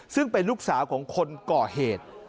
ซึ่งเป็นลูกสาวของคนก่อเหตุ